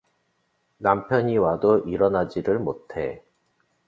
남편이 와도 일어나지를 못해.